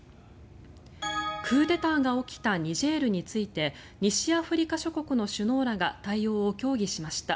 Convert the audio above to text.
クーデターが起きたニジェールについて西アフリカ諸国の首脳らが対応を協議しました。